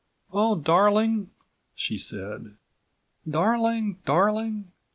"Oh, darling," she said. "Darling ... darling ...